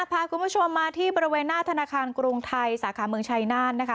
พาคุณผู้ชมมาที่บริเวณหน้าธนาคารกรุงไทยสาขาเมืองชัยนาธนะคะ